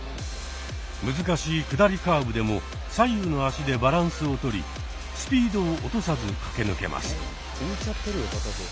難しい下りカーブでも左右の足でバランスをとりスピードを落とさず駆け抜けます。